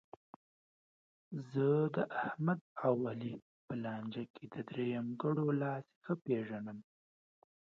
زه داحمد او علي په لانجه کې د درېیمګړو لاس ښه پېژنم.